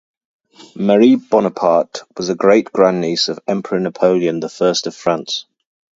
Marie Bonaparte was a great-grandniece of Emperor Napoleon the First of France.